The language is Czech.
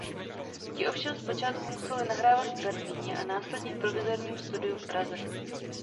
Ti ovšem zpočátku museli nahrávat v Berlíně a následně v provizorním studiu v Praze.